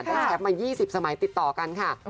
แชมป์มา๒๐สมัยติดต่อกันค่ะ